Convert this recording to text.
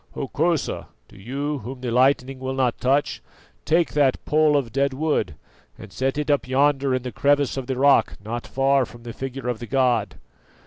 Hokosa, do you, whom the lightning will not touch, take that pole of dead wood and set it up yonder in the crevice of the rock not far from the figure of the god."